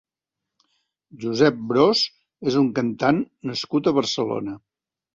Josep Bros és un cantant nascut a Barcelona.